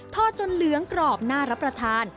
จนเหลืองกรอบน่ารับประทาน